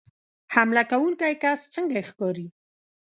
حمله کوونکی کس څنګه ښکاري